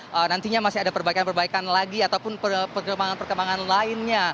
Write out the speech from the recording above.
nah nantinya masih ada perbaikan perbaikan lagi ataupun perkembangan perkembangan lainnya